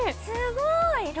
すごい！